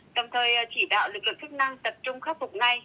tầm thời chỉ đạo lực lượng cứu nạn tập trung khắc phục ngay